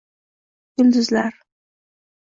yulduzlar